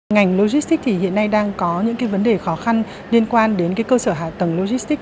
ngành logistics thì hiện nay đang có những vấn đề khó khăn liên quan đến cơ sở hạ tầng logistics